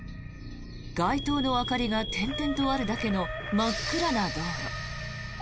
街灯の明かりが点々とあるだけの真っ暗な道路。